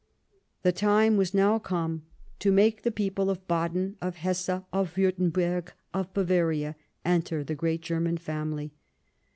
The time was now come to make the people of 115 Bismarck Baden, of Hesse, of Wiirtemberg, and of Bavaria enter the great German family.